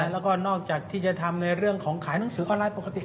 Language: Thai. แล้วก็นอกจากที่จะทำในเรื่องของขายหนังสือออนไลน์ปกติ